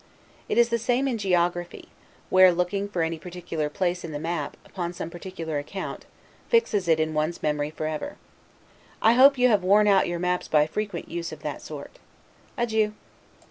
It is the same in geography, where, looking for any particular place in the map, upon some particular account, fixes it in one's memory forever. I hope you have worn out your maps by frequent, use of that sort. Adieu.